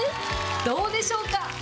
どうでしょうか。